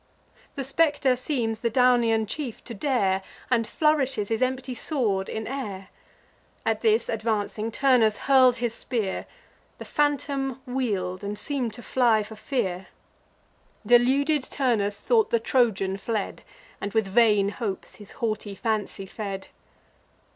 The spectre seems the Daunian chief to dare, And flourishes his empty sword in air. At this, advancing, Turnus hurl'd his spear: The phantom wheel'd, and seem'd to fly for fear. Deluded Turnus thought the Trojan fled, And with vain hopes his haughty fancy fed.